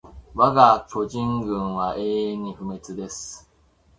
わが巨人軍は永久に不滅です